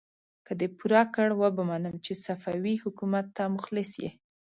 که دې پوره کړ، وبه منم چې صفوي حکومت ته مخلص يې!